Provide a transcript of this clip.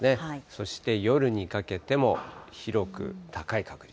そして夜にかけても広く高い確率。